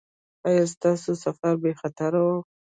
ایا ستاسو سفر بې خطره و؟